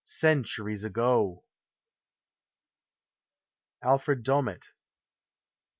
Centuries ago ! ALFRED DOMETT.